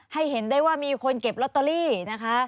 เห็นได้ว่ามีคนเก็บลอตเตอรี่นะคะ